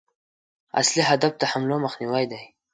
اصلي هدف د حملو مخنیوی دی.